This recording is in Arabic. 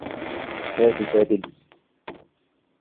لا تُجادِل.